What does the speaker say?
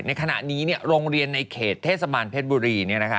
ในขณะนี้โรงเรียนในเขตเทศบาลเพชรบุรี